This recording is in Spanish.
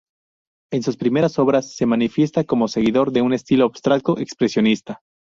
En sus primeras obras se manifiesta como seguidor de un estilo abstracto expresionista.